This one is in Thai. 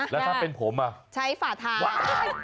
แล้วถ้าเป็นผมอ่ะใช้ฝ่าเท้าว้าว